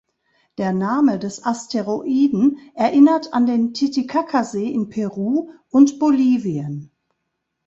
Der Name des Asteroiden erinnert an den Titicaca-See in Peru und Bolivien.